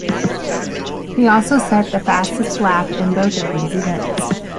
He also set the fastest lap in both of these events.